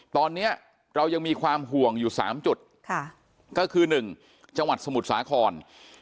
ตอนนี้เรายังมีความห่วงอยู่๓จุดก็คือ๑จังหวัดสมุทรสาคร